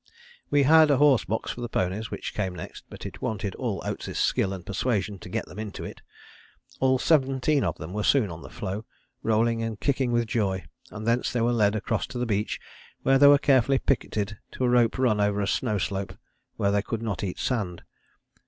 We had a horse box for the ponies, which came next, but it wanted all Oates' skill and persuasion to get them into it. All seventeen of them were soon on the floe, rolling and kicking with joy, and thence they were led across to the beach where they were carefully picketed to a rope run over a snow slope where they could not eat sand.